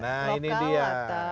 nah ini dia